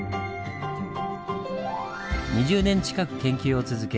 ２０年近く研究を続け